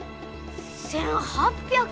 １，８００！？